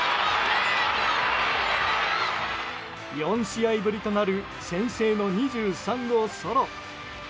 ４試合ぶりとなる先制の２３号ソロ。